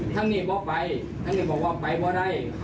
ทั้งนี้ไม่ไปทั้งนี้บอกว่าไปไม่ได้